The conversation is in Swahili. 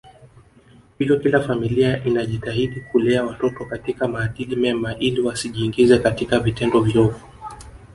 Hivyo kila familia inajitahidi kulea watoto katika maadili mema ili wasijiingize katika vitendo viovu